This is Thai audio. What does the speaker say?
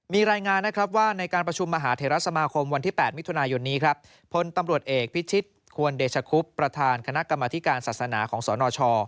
มีรายงานว่าในการประชุมมหาเทศสมาคมวันที่๘มิถุนายนพลตำรวจเอกพิษภิษฐกวนเดชครูปประทานคณะกรรมธิการศาสนาของสตนช